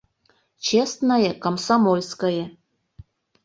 Честное комсомольское!..